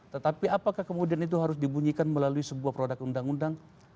tetapi apakah kemudian itu harus dibunyikan melalui sebuah produk undang undang